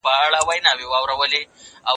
موږ چي ول بالا به هوا سړه وي باره ګرمي وه